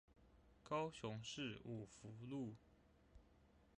高雄市五福路